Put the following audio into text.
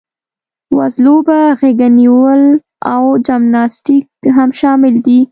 وزلوبه، غېږه نیول او جمناسټیک هم شامل دي.